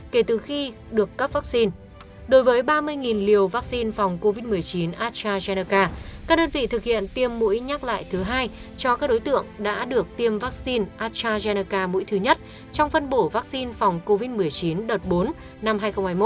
kể từ khi được cấp vaccine đối với ba mươi liều vaccine phòng covid một mươi chín astrazeneca các đơn vị thực hiện tiêm mũi nhắc lại thứ hai cho các đối tượng đã được tiêm vaccine astrazeneca mũi thứ nhất trong phân bổ vaccine phòng covid một mươi chín đợt bốn năm hai nghìn hai mươi một